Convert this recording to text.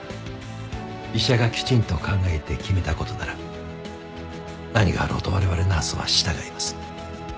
医者がきちんと考えて決めた事なら何があろうと我々ナースは従います。